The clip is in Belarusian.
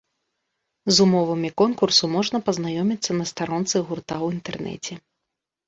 З умовамі конкурсу можна пазнаёміцца на старонцы гурта ў інтэрнэце.